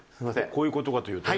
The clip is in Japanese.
こういう事かというと？